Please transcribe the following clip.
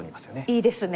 いいですね。